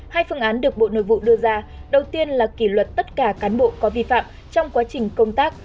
hai phương án được bộ nội vụ đưa ra đầu tiên là kỷ luật tất cả cán bộ có vi phạm trong quá trình công tác